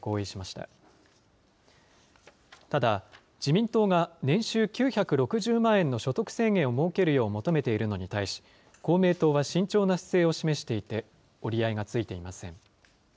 ただ、自民党が年収９６０万円の所得制限を設けるよう求めているのに対し、公明党は慎重な姿勢を示していて、折り合いがついていません。